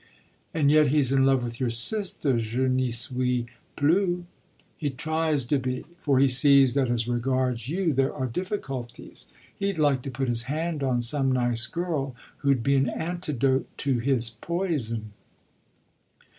"And yet he's in love with your sister? je n'y suis plus." "He tries to be, for he sees that as regards you there are difficulties. He'd like to put his hand on some nice girl who'd be an antidote to his poison."